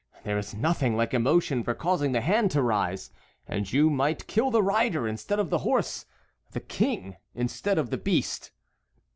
There is nothing like emotion for causing the hand to rise, and you might kill the rider instead of the horse, the king instead of the beast.